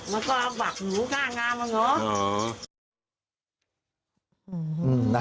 มันก็ปากหมูข้างล่างบ้างเนอะ